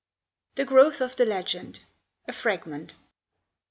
THE GROWTH OF THE LEGEND. A FRAGMENT.